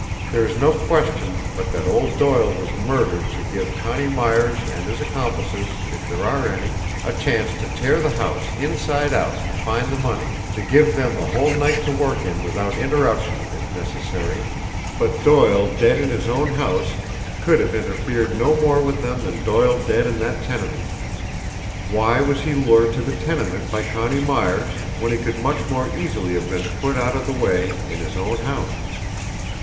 There is no question but that old Doyle was murdered to give Connie Myers and his accomplices, if there are any, a chance to tear the house inside out to find the money, to give them the whole night to work in without interruption if necessary but Doyle dead in his own house could have interfered no more with them than Doyle dead in that tenement! Why was he lured to the tenement by Connie Myers when he could much more easily have been put out of the way in his own house?